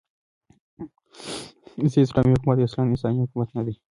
ز : اسلامې حكومت اصلاً انساني حكومت نه دى